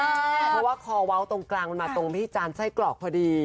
เพราะว่าคอเว้าตรงกลางมันมาตรงที่จานไส้กรอกพอดี